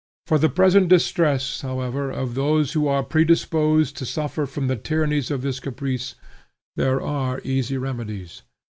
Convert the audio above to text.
For the present distress, however, of those who are predisposed to suffer from the tyrannies of this caprice, there are easy remedies.